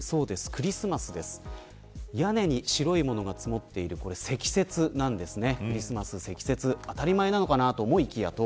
屋根に白いものが積もっていて積雪なんですね。